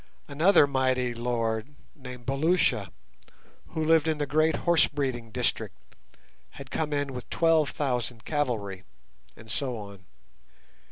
Another mighty lord, named Belusha, who lived in the great horse breeding district, had come in with twelve thousand cavalry, and so on.